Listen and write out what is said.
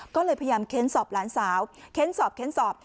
ก็เลยพยายามเค้นสอบหลานสาวเค้นสอบเค้นสอบ